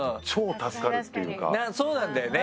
そうなんだよね